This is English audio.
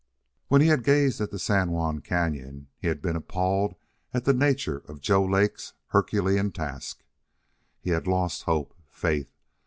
When he had gazed at the San Juan Cañon he had been appalled at the nature of Joe Lake's Herculean task. He had lost hope, faith.